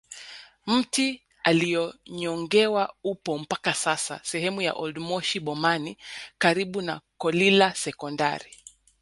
Mti aliyonyongewa upo mpaka sasa sehemu ya oldmoshi bomani karibu na kolila sekondari